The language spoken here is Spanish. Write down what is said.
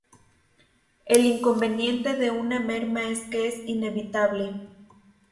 El inconveniente de una merma es que es inevitable.